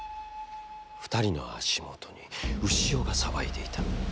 二人の足もとに、潮が騒いでいた。